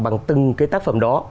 bằng từng cái tác phẩm đó